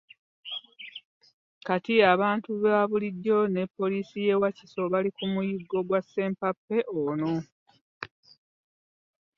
Kati abantu ba bulijjo ne poliisi y'e Wakiso bali ku muyiggo gwa Ssempappe ono.